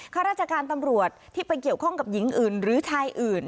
ข้าราชการตำรวจที่ไปเกี่ยวข้องกับหญิงอื่นหรือชายอื่น